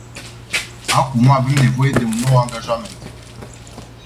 Acum avem nevoie de un nou angajament.